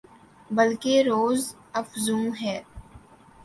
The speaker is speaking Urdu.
بلکہ روزافزوں ہے